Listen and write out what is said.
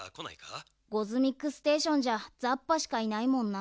ゴズミックステーションじゃザッパしかいないもんな。